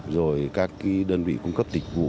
rồi các cái đơn vị cung cấp tịch vụ